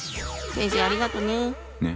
先生ありがとね。